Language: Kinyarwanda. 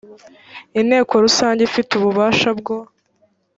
inteko rusange ifite ububasha bwo